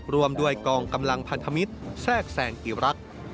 รวมด้วยกองกำลังพันธมิตรแทรกแสงอิรักษ์